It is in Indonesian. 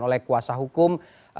oleh kuasa hukum